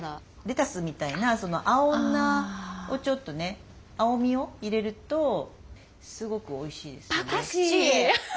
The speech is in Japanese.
レタスみたいな青菜をちょっとね青みを入れるとすごくおいしいですよね。